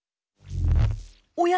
おや？